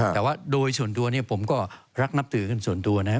แต่ว่าโดยส่วนตัวเนี่ยผมก็รักนับถือกันส่วนตัวนะครับ